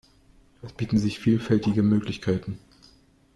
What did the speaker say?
Es bieten sich vielfältige Möglichkeiten.